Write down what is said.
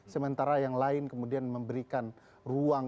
sementara yang lain kemudian memberikan ruang